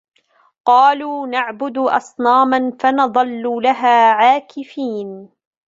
قالوا نعبد أصناما فنظل لها عاكفين